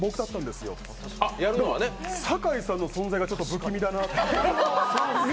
でも酒井さんの存在がちょっと不気味だなって。